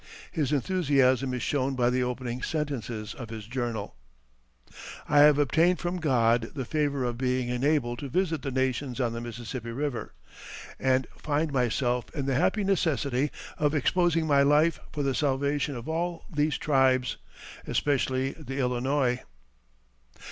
His enthusiasm is shown by the opening sentences of his journal: "I have obtained from God the favor of being enabled to visit the nations on the Mississippi River, ... and find myself in the happy necessity of exposing my life for the salvation of all these tribes, especially the Illinois."